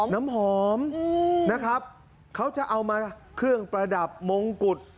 น้ำหอมนะครับเขาจะเอามาเครื่องประดับมงกุฎ